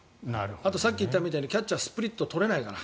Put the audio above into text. あとさっき言ったみたいにキャッチャーはスプリット取れないから。